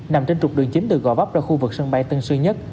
nằm trên trục đường chính từ gò vấp ra khu vực sân bay tân sơn nhất